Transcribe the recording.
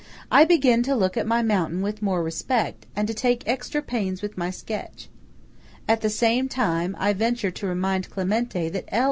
I begin to look at my mountain with more respect, and to take extra pains with my sketch. At the same time, I venture to remind Clementi that L.